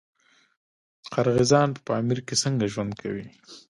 قرغیزان په پامیر کې څنګه ژوند کوي؟